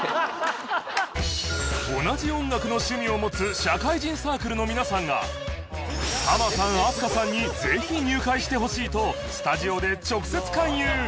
同じ音楽の趣味を持つ社会人サークルの皆さんがハマさん飛鳥さんにぜひ入会してほしいとスタジオで直接勧誘！